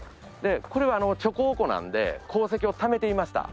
これは貯鉱庫なんで鉱石をためていました。